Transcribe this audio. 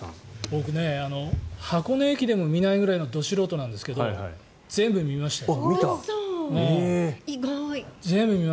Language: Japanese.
僕、箱根駅伝も見ないぐらいのど素人なんですけど全部見ましたよ。